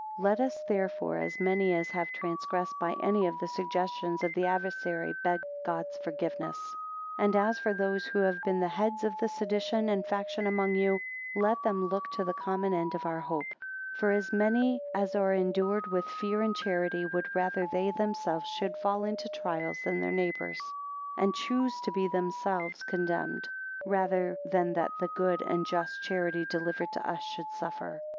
LET us therefore, as many as have transgressed by any of the suggestions of the adversary, beg God's forgiveness. 2 And as for those who have been the heads of the sedition and faction among you, let them look to the common end of our hope. 3 For as many as are endued with fear and charity, would rather they themselves should fall into trials than their neighbours: And choose to be themselves condemned, rather than that the good and just charity delivered to us, should suffer.